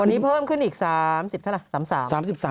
วันนี้เพิ่มขึ้นอีก๓๐ซักหน่า๓๓